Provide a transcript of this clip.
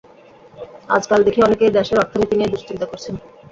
আজকাল দেখি অনেকেই দেশের অর্থনীতি নিয়ে দুঃচিন্তা করছেন।